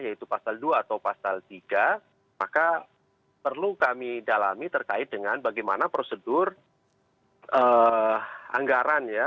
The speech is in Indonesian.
yaitu pasal dua atau pasal tiga maka perlu kami dalami terkait dengan bagaimana prosedur anggaran ya